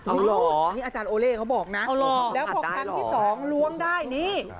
อ๋อเหรออันนี้อาจารย์โอเล่เขาบอกนะแล้วบอกครั้งที่๒ล้วงได้นี่๖๙